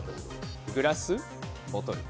グラス、ボトル。